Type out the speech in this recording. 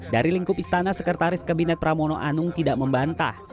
dari lingkup istana sekretaris kabinet pramono anung tidak membantah